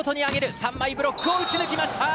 ３枚ブロックを打ち抜きました。